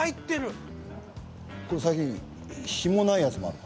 これ最近ひもないやつもあるの。